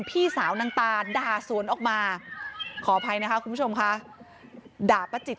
พี่สาวนางตาด่าสวนออกมาขออภัยนะคะคุณผู้ชมค่ะด่าป้าจิต